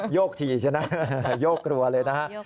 โยกทีใช่ไหมโยกเมื่อกรัวเลยนะครับ